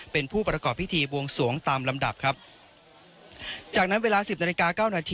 เป็นผู้ประกอบพิธีบวงสวงตามลำดับครับจากนั้นเวลาสิบนาฬิกาเก้านาที